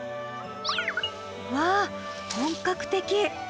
わあ本格的！